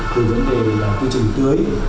từ vấn đề là quy trình tưới